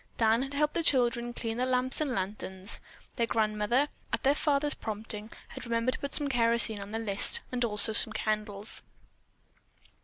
Dan had helped the children clean the lamps and lanterns. Their grandmother, at their father's prompting, had remembered to put kerosene on their list and also candles.